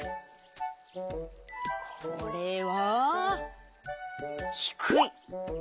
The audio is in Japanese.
これはひくい。